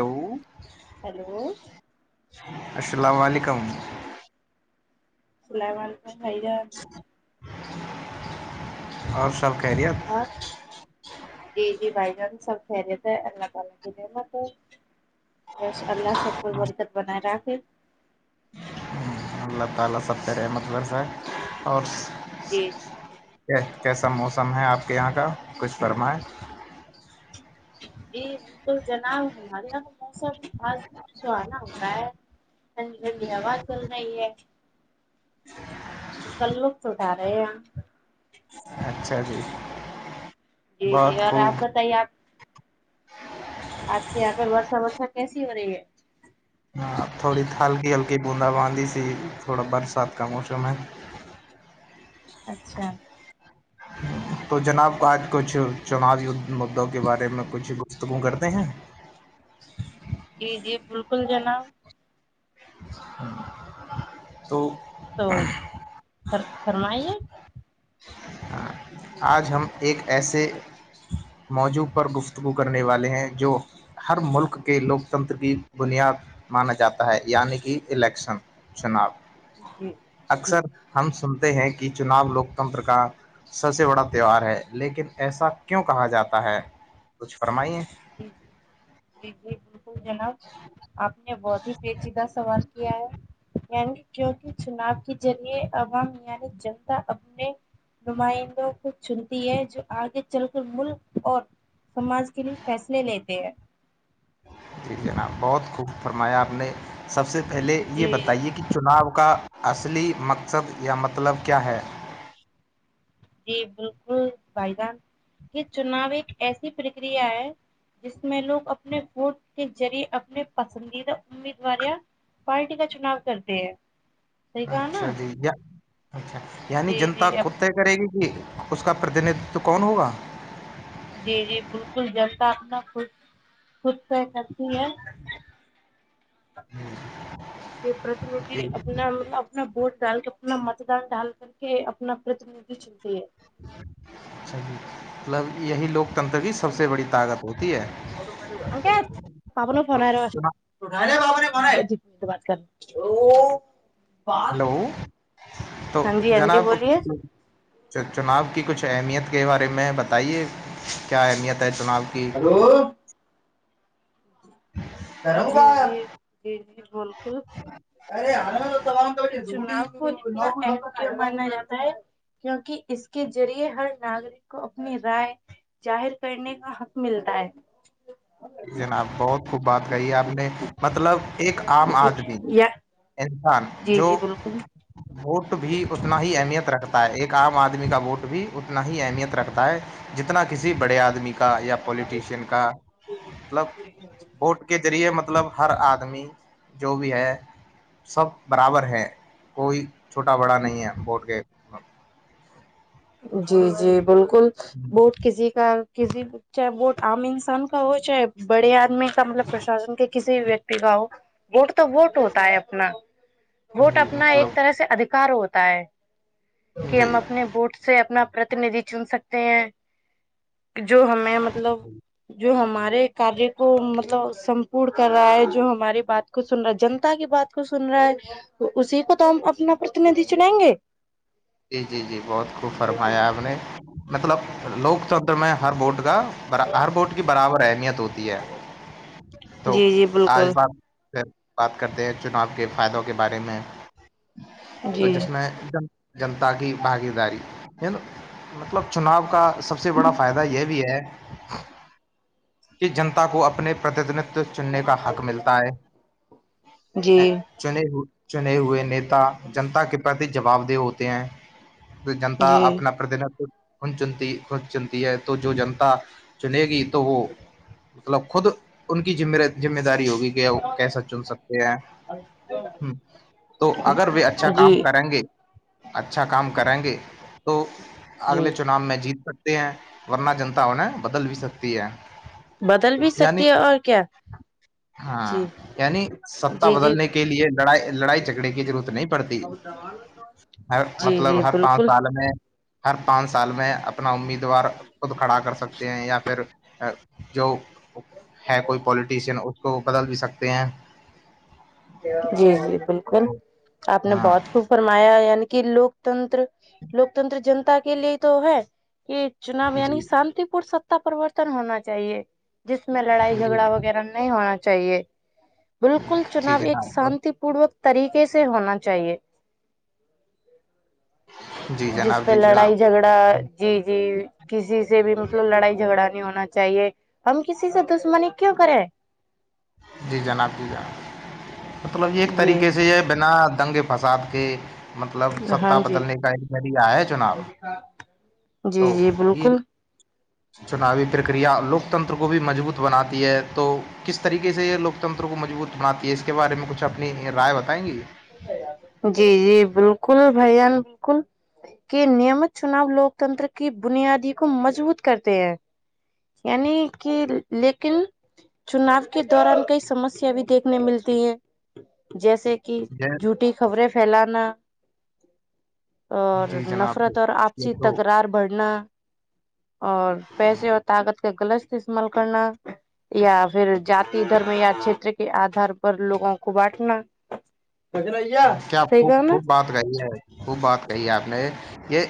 hello hello السلام علیکم Salman بھائی خیریت اور سب کہرییے جی جی بھائی جان سب خریت ہے اللہ تعالی کی نعت ہے بس اللہ سب کوئی برکت بنائے رکھے اللہ تعالی سب کے رحمت ورسہ ہے اور جی کیسا موسم ہے آپ کے یہاں کا کچھ فرمائے جی بالکل جناب ہمارے یہاں کا موسم آج کچھ سہانا ہو رہا ہے ہ ہنڈی آواز کرول رہئی ہے اس کا لطف اٹا رہے ہیں ہاں اچھا جی جی جی بہت اور آپ خوب بتائیے آپ آپ کے یہاں پہ ورشا ورشا کیسی ہو رہی ہے ہاں تھوڑی ہلکی ہلکی بوندا باندی سی تھوڑا برسات کا موسم ہے اچھا تو جناب آج کچھ چناوی مدوں کے بارے میں کچھ گفتگو کرتے ہیں جی جی بالکل جناب تو تو فر فرمائیے آج ہم ایک ایسے موضوع پر گفتگو کرنے والے ہیں جو ہر ملک کے لوکتنتر کی بنیاد مانا جاتا ہے یعنی کہ الیکشن چناب جی جی جی اکثر ہم سنتے ہیں کہ چناب لوکتنتر کا سب سے بڑا تہوہار ہے لیکن ایسا کیوں کہا جاتا ہے کچھ فرمائیے ج ج جی جی بالکل جناب آپ نے بہت ہی پیچیدہ سوال ہے یعنی کیوںک چناؤ کے ذریعے عوام یعنی جنتا اپنے نمائندوں کو چنتی ہے جو آگے چل کر ملک اور سماج کے لیے فیصلے لیتے ہیں جی جناب بہت خوب فرمایا آپ نے سب سے پہلے یہ جی بتائیے کہ چناؤ کا اصلی مقصد یا مطلب کیا ہے جی بالکل بھائی جان یہ چناؤ ایک ایسی پرکریا ہے جس میں لوگ اپنے ووٹ کے ذریعے اپنے پسندیدہ امیدواریاں پارٹی کا چناؤ کرتے ہیں صحیح کہا نا اچھا جی اچھا یعنی جی جنتا جی اب کتے کرے گی کہ اس کا پرتیندتو کون ہوگا جی جی بالکل جلتا اپنا خ خود سے کرتی ہے یہ پرتنیدھی جی اپنا مطلب اپنا ووٹ ڈال کے اپنا متدان ڈال کر کے اپنا پرتیندھی چنتی ہے اچھا جی مطلب یہی لوکتنتر کی سب سے بڑی طاقت ہوتی ہے ہمک پابل اب فون تو ہے ر چنا- تو گا بابا نے منا ہے ت بات کرل او ہلو تو ہاں جی ہاں جی جناب بولیے چناؤ کی کچھ اہمیت کے بارے میں بتائیے کیا اہمیت ہے چناؤ کی اور در ب ج ج ب ارے ہرم تو ت ک چناب کو من مانا جاتا ہے کیوںکہ اس کے ذریعے ہر ناگرک کو اپنی رائے ظاہر کرنے کا حق ملتا ہے جناب بہت خب بات کہی ہے آپ نے مطلب ایک عام آدمی یا انسان جی جو جی بالکل ووٹ بھی اتنا ہی اہمیت رکھتا ہے ایک عام آدمی کا ووٹ بھی اتنا ہی اہمیت رکھتا ہے جتنا کسی بڑے آدمی کا یا پولیٹیشین کا مطلب ووٹ کے ذریعے مطلب ہر آدمی جو بھی ہے سب برابر ہے کوئی چھوٹا بڑا نہیں ہے بورٹ کے جی جی بالکل بوٹ کسی کا کسی چاہے وہ عام انسان کا ہو چاہے بڑے آدمی کا مطلب پرشاسن کے کسی بھی ویکتی کا ہو ووٹ تو ووٹ ہوتا ہے اپنا ووٹ جی اپنا مطلب ایک طرح سے ادھیکار ہوتا ہے کہ جی ہم اپنے بوٹ سے اپنا پرتیندھی چن سکتے ہیں جو ہمیں مطلب جو ہمارے کاریہ کو مطلب سمپورڑ کر رہا ہے جو ہماری بات کو سن رہا ہے جنتا کی بات کو سن رہا ہے تو اسی کو تو ہم اپنا پرتیندھی چنائیں گے جی جی جی بہت خوب فرمایا آپ نے مطلب لوکتنر میں ہر بورٹ کا ہر بورٹ کی برابر اہمیت ہوتی تو جی جی آج بالکل بات بات کرتے ہیں چناؤ کے فائدوں کے بارے میں تو جی جس میں جنتا کی بھاگی داری ن مطلب چناؤ کا سب سے بڑا فائدہ یہ بھی ہے کہ جنتا کو اپنے پرتتنتو چننے کا حق ملتا ہے جی چ چنے ہوئے نیتا جنتا کے پرتی جواب د ہوتے ہیں جنتا جی اپنا پرتنت خن چنتی ہے تو جو جنتا چنے گی تو وہ مطلب خود ان کی م ذمہ داری ہوگی وہ کیسا چن سکتے ہیں ہ تو اگر وہ اچھا جی کام کریں گے اچھا کام کریں گے تو جی اگلے چناؤ میں جیت سک ہیں ورنہ جنتا انہیں بدل بھی سکتی ہے بدل بھی یعنی سکتی ہے اور کیا ہاں جی یعنی ستا جی جی بدلنے کے لیے لڑائی لڑائی جھگڑے کی ضرورت نہیں پڑتی ہر جی مطلب جی ہر پانچ بالکل سال میں ہر پانچ سال میں اپنا امیدوار خود کھڑا کر سکتا ہیں یا پھر جو ہے کوئی پالٹیشن اس کو بدل بھی سکتے ہیں جی جی بالکل تو- آپ نے ہاں بہت خوب فرمایا یعنی کہ لوکتنتر لوکتنتر جنتا کے لیے تو ہے کہ چناب جی یعنی شانتی پور ستا پروورتن ہونا چاہیے جس میں لڑائی جھگڑا وغیرہ نہیں ہونا چاہیے بالکل جی چناؤ ایک جناب شانتی پوروک طریقے سے ہونا چاہیے جی جس جناب پہ جی جناب لڑائی جھگڑا جی جی کسی سے بھی مطلب لڑائی جھگڑا نہیں ہونا چاہیے ہم کسی سے دشمنی کیوں کریں جی جناب جی جناب مطلب ایک جی طریقے سے یہ بنا دنگے فساد کے مطلب ہاں ستا جی بدلنے کا مرییا ہے چناؤ جی تو جی یہ بالکل چناوی پرکریا لوکتنتر کو بھی مضبوط بناتی ہے تو کس طریقے سے یہ لوکتنتر کو مضبوط بناتی ہے اس کے بارے میں کچھ اپنی رائے بتائیں گی یہ جی جی بالکل بھائی جان بالکل کے نیمت چناؤ لوکتنتر کی بنیادی کو مضبوط کرتے ہیں یعنی کہ لیکن چناؤ کے دوران کئی سمسیا بھی دیکھنے ملتی ہیں جیسے کہ یہ چھوٹی خبریں پھیلانا اور جی جناب نفرت اور یہ آپسی تو تکرار بڑھنا اور پیسے اور طاقت کا گغلط استعمال کرنا یا پھر جات دھرم یا چھیتر کے آدار پر لوگوں کو بانٹنا ہاں کیا صحیح خوب کہا نا خوب بات گئی ہے وہ بات کہی ہے آپ نے یہ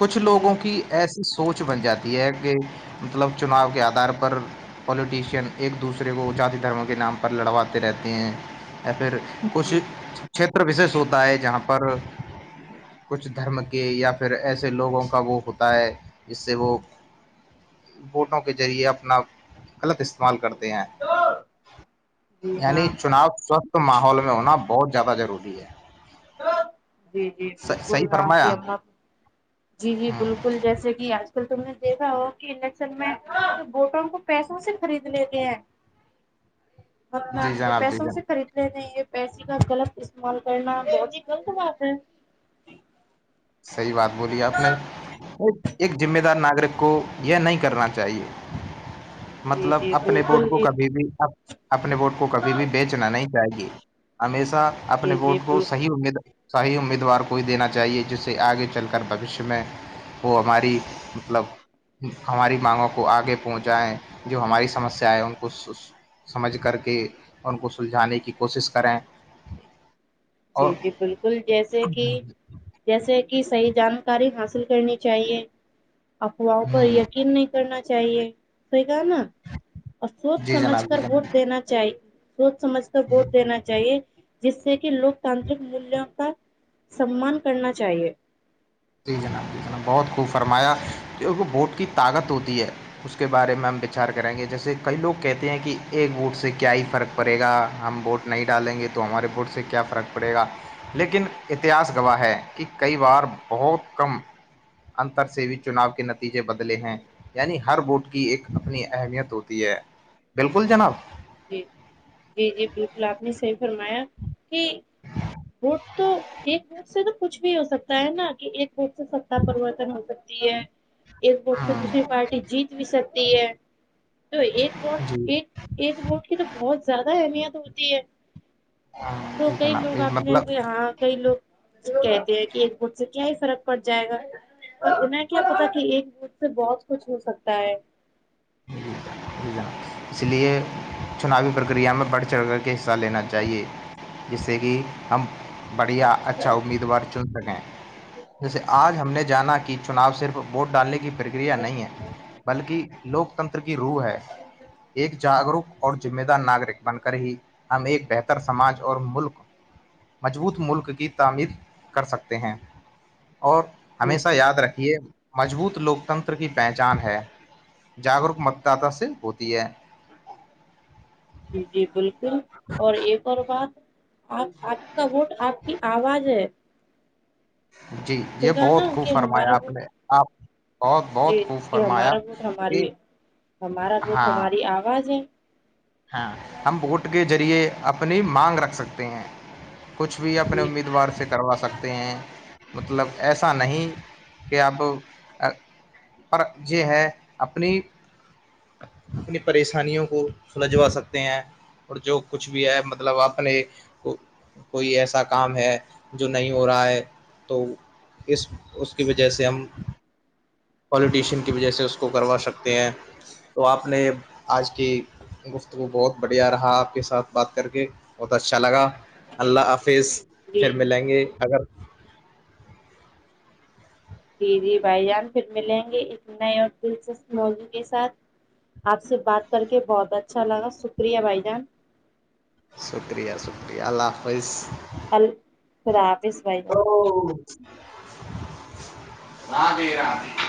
کچھ جی لوگوں کی ایسی سوچ بن جاتی ہے کہ مطلب چناؤ کے آدھار پر پولیٹیشین ایک دوسرے کو جذاتی دھرموں کے نام پر لڑواتے رہتے ہیں یا پھر کچھ جی چھیتر وشش ہوتا ہے جہاں پر کچھ دھرم کے یا پھر ایسے لوگوں کا وہ ہوتا ہے جس سے وہ بوٹوں کے ذریعے اپنا غلط استعمال کرتے ہیں جی یعنی ہاں چناؤ سوستھ تو ماحول میں ہونا بہت زیادہ ضروری ہے جی جی بالکل صحیح فرمایا کی ہمر جی جی ہاں بالکل ل جیسے کہ آج کل تم نے دیکھا ہو کہ انڈکشن میں بوٹروں کو پیسوں سے خرید لیتے ہیں بگوان جی کو جناب جی پیسوں سے جناب خرید یہ پیسے کا غلط استعمال کرنا بہت ہی غلط بات ہے صحیح بات بولی آپ نے ایک جذمے دار ناگرک کو یہ نہیں کرنا چاہیے جی مطلب جی اپنے ووٹ بالکل کو جی کبھی بھی اپنے ووٹ کو کبھی بھی بیچ نہ نہیں چاہ گے ہمیشہ اپنے جی ووٹ جی کو بالکل صحیح امیدار صحیح امیدوار کو ہی دینا چاہیے جسے آگے چل کر بوشیہ میں وہ ہماری مطلب ہماری مانگوں کو آگے پہنچائیں جو ہماری سمسیا ہے ان کو سمجھ کر کے ان کو سلجھانے کی کوشش کریں اور جی جی بالکل جیسے کہ جیسے کہ صحیح جانکاری حاصل کرنی چاہیے افواہوں پر ہ کن نہیں کرنا چاہیے سے گا نا اور سوچ جی جناب سمجھ کر جی جناب ووٹ دینا چاہیے سوچ سمجھ کر ووٹ دینا چاہیے جس سے کہ لوک تانترک مولوں کا سمان کرنا چاہیے جی جناب جی جناب بہت خوب فرمایا کیونکہ بوٹ کی طاقت ہوتی ہے اس کے بارے میں ہم وچار کریں گے جیسے کئی لوگ کہتے ہیں کہ ایک ووٹ سے کیا ہی فرق پڑے گا ہم ووٹ نہیں ڈالیں گے تو ہمارے بورٹ سے کیا فرق پڑے گا لیکن اتہس گواہ ہے کہ کئی بار بہت کم انتر سے بھی چناؤ کے نتیجے بدلے ہیں یعنی ہر بوٹ کی ایک اپنی اہمیت ہوتی ہے بالکل جناب جی جی جی بالکل آپ نے صحیح فرمایا کہ وٹ تو ایک م سے تو کچھ بھی ہو سکتا ہے نا کہ ایک روپ سے ستا پرریوورتن ہو سکتی ہے ایک وت سے ہ دوسری پارٹی جیت بھی سکتی ہے تو ایک وٹ جی ایک ایک ووٹ کی تو بہت زیادہ اہمیت ہوتی ہے ہ تو جی کئی جناب لوگ اس آپ نے مطلب ہاں کئی لوگ کہتے ہیں کہ ایک گٹ سے کیا ہی فرق پڑ جائے گا تو انہیں کیا پتا کہ ایک جت سے بہت کچھ ہو سکتا ہے [unintelligible] اس لیے چناوی پرکریا میں بڑھ چڑھ کر کے حصہ لینا چاہیے جس سے کہ ہم بڑھیا اچھا امیدوار چن سکیں جیسے آج ہم نے جانا کہ چناؤ صرف ووٹ ڈالنے کی پرکریا نہیں ہے بلکہ لوگ کی روح ہے ایک جاگروک اور ذمہ دار ناگرک بن کر ہی ہم ایک بہتر سماج اور ملک مضبوط ملک کی تعمیر کر سکتے ہیں اور جی ہمیشہ یاد رکھیے مضبوط لوگ کتنتر کی پہچان ہے جاگروک متداتا سے ہوتی ہے جی بالکل اور ایک اور بات آپ آپ کا ووٹ آپ کی آواز ہے جی یہ ٹھیک ہے بہت نا خوب کہ فرمایا ہمارا آپ ووٹ نے آپ بہت بہت جی خوب جی کہ فرمایا ہمارا ووٹ کہ ہاں یی آواز ہے ہم ووٹ کے ذریعے اپنی مانگ رکھ سکتے ہیں کچھ بھی جی اپنے امیدوار سے کروا سکتے ہیں مطلب ایسا نہیں کہ اپ پر یہ ہے اپنی اپنی پریشانیوں کو سلجوا سکتے ہیں اور جو کچھ بھی ہے مطلب اپنے کوئی ایسا کام ہے جو نہیں ہو رہا ہے تو اس اس کی وجہ سے ہم پوالیٹیشین کی وجہ سے اس کو کروا سکتے ہیں تو آپ نے آج کی گفتگو بہت بڑھیا رہا آپ کے ساتھ بات کر کے بہت اچھا لگا اللہ حافظ جی پھر ملیں گے اگر جی جی بھائی جان پھر ملیں گے ایک نئے اور دلچسپ موضوع کے ساتھ آپ سے بات کر کے بہت اچھا لگا شکریہ بھائی جان شکریہ شکریہ اللہ حافظ الل خراب اس سوائی [unintelligible]